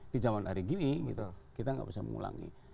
di zaman hari gini kita nggak bisa mengulangi